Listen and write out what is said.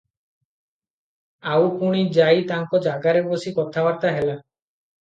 ଆଉ ପୁଣି ଯାଇ ତାଙ୍କ ଜାଗାରେ ବସି କଥାବାର୍ତ୍ତା ହେଲେ ।